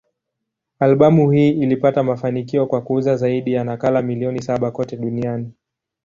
Albamu hii ilipata mafanikio kwa kuuza zaidi ya nakala milioni saba kote duniani.